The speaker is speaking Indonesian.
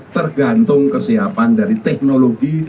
tergantung kesiapan dari teknologi